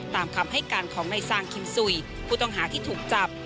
ตามคำให้การของนายซางคิมสุยผู้ต้องหาที่ถูกจับ